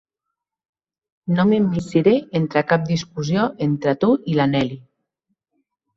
No m'immisciré en cap discussió entre tu i la Nelly.